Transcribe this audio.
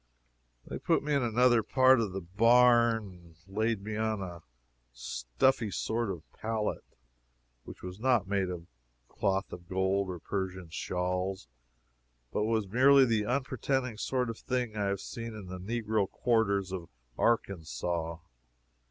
They put me in another part of the barn and laid me on a stuffy sort of pallet, which was not made of cloth of gold, or Persian shawls, but was merely the unpretending sort of thing I have seen in the negro quarters of Arkansas.